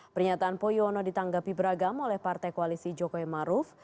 pernyataan poyono ditanggapi beragam oleh partai koalisi jokowi maruf